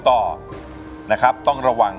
ต่อนะครับต้องระวัง